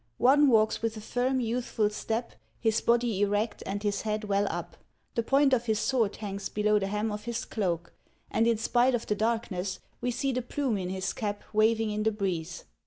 One walks with a firm, youthful step, his body erect and his head well up ; the point of his sword hangs below the hem of his cloak, and in spite of the darkness, we see the plume in his cap waving in the breeze.